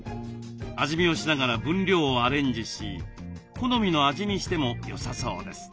味見をしながら分量をアレンジし好みの味にしてもよさそうです。